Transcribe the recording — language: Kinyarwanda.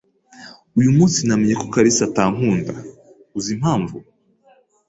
Uyu munsi namenye ko kalisa atankunda. Uzi impamvu?